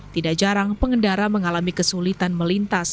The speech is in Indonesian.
tidak jarang pengendara mengalami kesulitan melintas